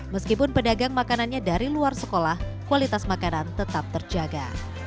meskipun pedagang makanannya dari luar sekolah kualitas makanan tetap terjaga